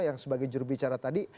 yang sebagai jurubicara tadi